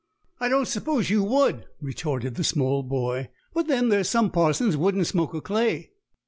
"I don't suppose you would," retorted the small boy. "But then there's some parsons wouldn't smoke a clay."